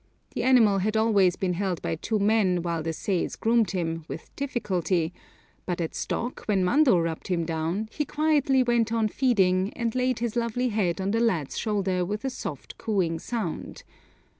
The animal had always been held by two men while the seis groomed him with difficulty, but at Stok, when Mando rubbed him down, he quietly went on feeding and laid his lovely head on the lad's shoulder with a soft cooing sound.